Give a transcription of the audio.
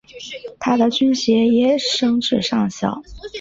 他的军衔也升至上校。